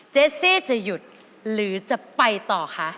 สซี่จะหยุดหรือจะไปต่อคะ